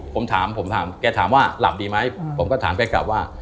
ผมถามผมถามแกถามว่าหลับดีไหมผมก็ถามแกกลับว่า